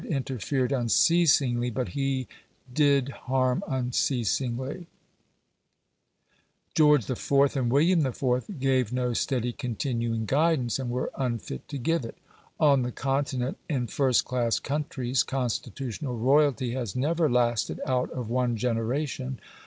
interfered unceasingly, but he did harm unceasingly; George IV. and William IV. gave no steady continuing guidance, and were unfit to give it. On the Continent, in first class countries, constitutional royalty has never lasted out of one generation.